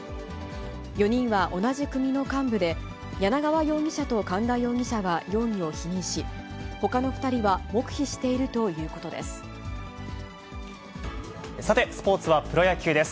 ４人は同じ組の幹部で、柳川容疑者と寒田容疑者は容疑を否認し、ほかの２人は黙秘していさて、スポーツはプロ野球です。